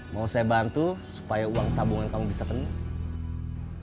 mau saya bantu supaya uang tabungan kamu bisa kena